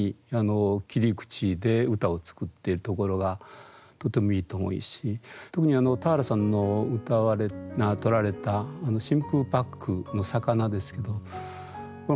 切り口で歌を作っているところがとてもいいと思うし特にあの俵さんのとられた真空パックの魚ですけどこれ